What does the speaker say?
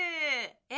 え？